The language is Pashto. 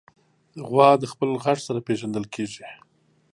غوا د خپل غږ سره پېژندل کېږي.